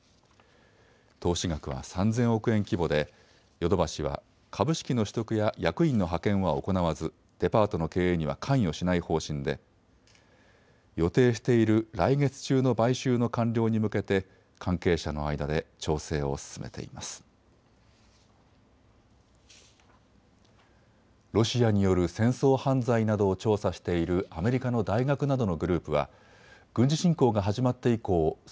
投資額は３０００億円規模でヨドバシは株式の取得や役員の派遣は行わずデパートの経営には関与しない方針で予定している来月中の買収の完了に向けて関係者の間で調整を進めています。